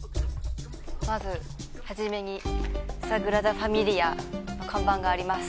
まず初めに「サグラダファミリ家」の看板があります